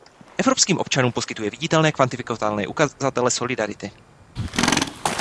Evropským občanům poskytuje viditelné, kvantifikovatelné ukazatele solidarity.